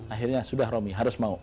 akhirnya sudah romi harus mau